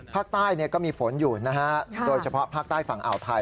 ภาคใต้ก็มีฝนอยู่นะฮะโดยเฉพาะภาคใต้ฝั่งอ่าวไทย